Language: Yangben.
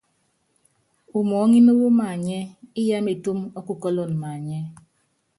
Umɔ́ɔ́ŋín wɔ́ maanyɛ́, Iyá métúm ɔ́ kukɔ́lɔn maanyɛ́.